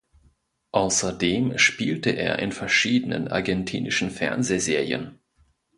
Außerdem spielte er in verschiedenen argentinischen Fernsehserien.